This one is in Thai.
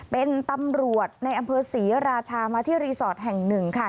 เป็นตำรวจในอำเภอศรีราชามาที่รีสอร์ทแห่งหนึ่งค่ะ